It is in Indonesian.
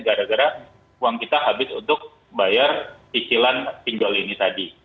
gara gara uang kita habis untuk bayar cicilan pinjol ini tadi